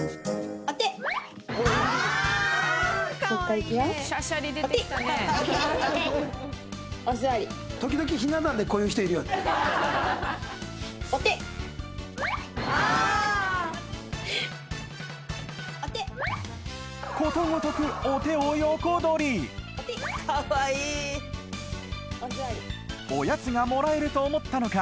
・お手・お手ことごとく・お手お座りおやつがもらえると思ったのか